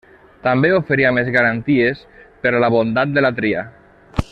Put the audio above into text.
També oferia més garanties per a la bondat de la tria.